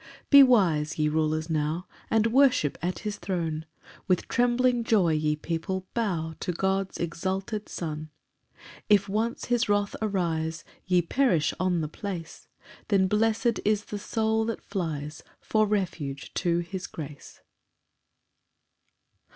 9 [Be wise, ye rulers, now, And worship at his throne; With trembling joy, ye people, bow To God's exalted Son. 10 If once his wrath arise, Ye perish on the place; Then blessed is the soul that flies For refuge to his grace.